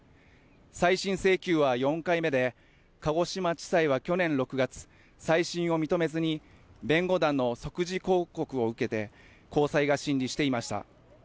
再審請求は４回目で、鹿児島地裁は去年６月、再審を認めずに、弁護団の即時抗告を受けて高裁が審理していました。